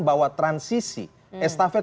bahwa transisi estafet